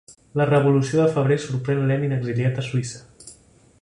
La Revolució de febrer sorprèn Lenin exiliat a Suïssa.